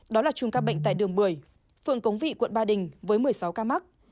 đó là chùm ca bệnh tại đường bưởi phường cống vị quận ba đình với một mươi sáu ca mắc